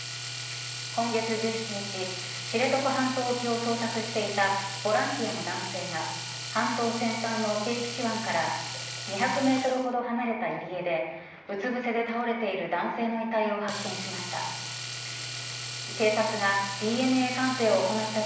今月１７日知床半島沖を捜索していたボランティアの男性が半島先端の啓吉湾から２００メートルほど離れた入江でうつぶせで倒れている男性の遺体を発見しました。